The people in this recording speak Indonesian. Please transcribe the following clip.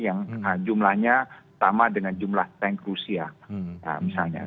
yang jumlahnya sama dengan jumlah tank rusia misalnya